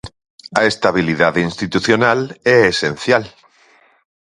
A estabilidade institucional é esencial.